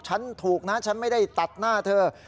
ฉันถูกนะฉันไม่ได้ตัดหน้าเธอ